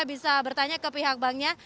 bisa bertanya ke pihak banknya